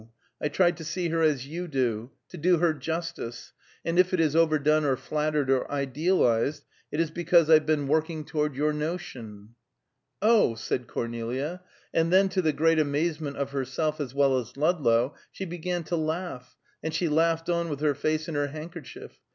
I tried to see her as you do; to do her justice, and if it is overdone, or flattered, or idealized, it is because I've been working toward your notion " "Oh!" said Cornelia, and then, to the great amazement of herself as well as Ludlow, she began to laugh, and she laughed on, with her face in her handkerchief.